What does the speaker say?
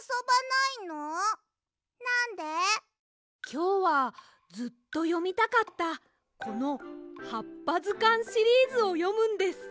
きょうはずっとよみたかったこの「はっぱずかん」シリーズをよむんです。